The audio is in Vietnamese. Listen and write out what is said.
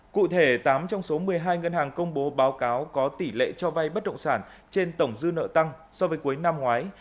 cụ thể tám trong số một mươi hai ngân hàng công bố báo cáo có tỷ lệ cho vay bất động sản trên tổng dư nợ tăng so với cuối năm ngoái